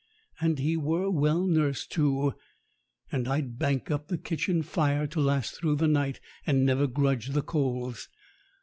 And he were well nursed, too, and I'd bank up the kitchen fire to last through the night, and never grudge the coals.